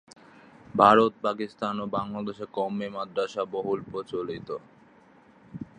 ভারত, পাকিস্তান ও বাংলাদেশে কওমি মাদ্রাসা বহুল প্রচলিত।